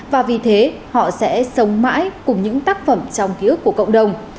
và vì thế họ sẽ sống mãi cùng những tác phẩm trong ký ức của cộng đồng